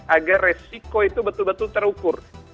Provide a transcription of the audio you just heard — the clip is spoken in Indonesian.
agar resiko itu betul betul terukur